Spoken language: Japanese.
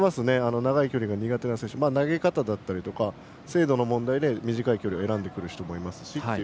長い距離の苦手な選手投げ方だったり精度の問題で短い距離を選んでくる人もいるし。